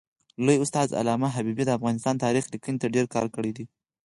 لوی استاد علامه حبیبي د افغانستان تاریخ لیکني ته ډېر کار کړی دی.